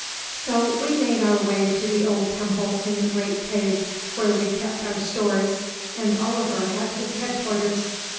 So we made our way to the old temple in the great cave, where we kept our stores and Oliver had his headquarters.